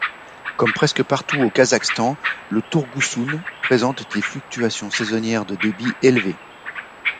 Comme presque partout au Kazakhstan, le Tourgousoun présente des fluctuations saisonnières de débit élevées.